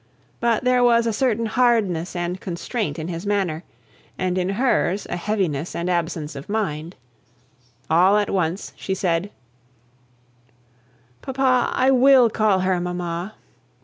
But there was a certain hardness and constraint in his manner, and in hers a heaviness and absence of mind. All at once she said, "Papa, I will call her 'mamma!'"